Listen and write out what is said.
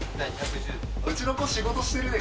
うちの子仕事してるね